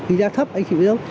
khi giá thấp anh chịu giống